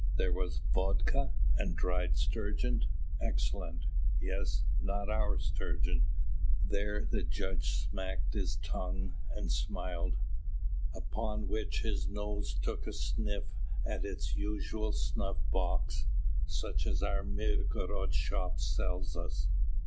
There was vodka, and dried sturgeon, excellent! Yes, not our sturgeon," there the judge smacked his tongue and smiled, upon which his nose took a sniff at its usual snuff box, "such as our Mirgorod shops sell us.